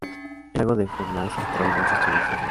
El lago de Furnas atrae muchos turistas a la región.